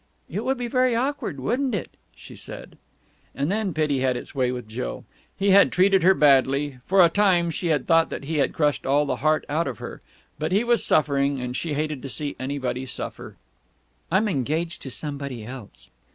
"It would be very awkward, wouldn't it?" she said. And then pity had its way with Jill. He had treated her badly; for a time she had thought that he had crushed all the heart out of her: but he was suffering, and she hated to see anybody suffer. "Besides," she said, "I'm engaged to somebody else."